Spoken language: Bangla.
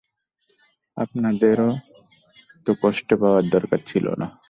আমাদেরও তো কষ্ট পাওয়ার দরকার ছিলো না।